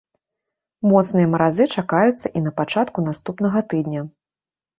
Моцныя маразы чакаюцца і на пачатку наступнага тыдня.